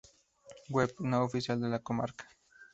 Web no oficial de la comarca